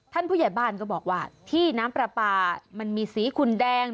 ผู้ใหญ่บ้านก็บอกว่าที่น้ำปลาปลามันมีสีขุนแดง